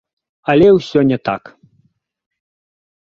Але ўсё не так.